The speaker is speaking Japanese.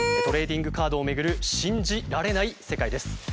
トレーディングカードを巡る信じられない世界です。